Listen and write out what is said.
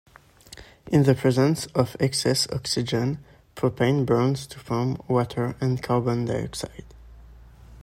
In the presence of excess oxygen, propane burns to form water and carbon dioxide.